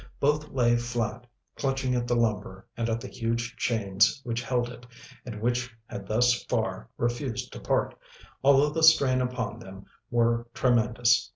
Both lay flat, clutching at the lumber and at the huge chains which held it, and which had thus far refused to part, although the strain upon them were tremendous.